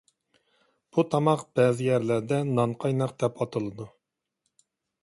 بۇ تاماق بەزى يەرلەردە «نانقايناق» دەپ ئاتىلىدۇ.